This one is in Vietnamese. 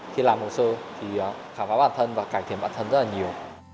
khi làm hồ sơ thì khám phá bản thân và cải thiện bản thân rất là nhiều